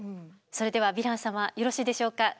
それではヴィラン様よろしいでしょうか？